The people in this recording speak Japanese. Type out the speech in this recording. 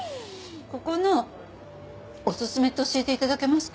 ここのおすすめって教えて頂けますか？